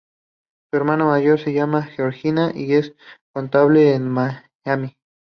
Su hermana mayor se llama Georgina, y es contable en Miami.